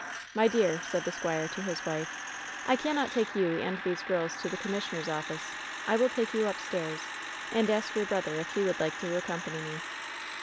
"My dear," said the squire to his wife, "I cannot take you and these girls to the commissioner's office. I will take you upstairs, and ask your brother if he would like to accompany me."